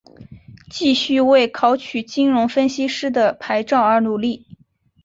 继续为考取金融分析师的牌照而努力。